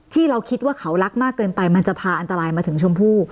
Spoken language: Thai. ที่เราคิดว่าเขารักมากเกินไปมันจะพาอันตรายมาถึงชมพู่